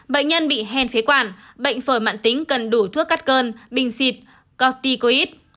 bệnh nhân bị hèn phế quản bệnh phổi mạng tính cần đủ thuốc cắt cơn bình xịt corticoid